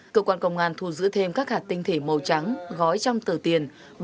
cơ quan công an thu giữ thêm các hạt tinh thể màu trắng gói trong tờ tiền